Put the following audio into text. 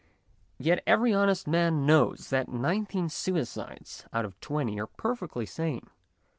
Yet every honest man knows that nineteen suicides out of twenty are perfectly sane.